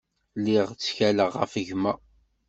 Lliɣ ttkaleɣ ɣef gma.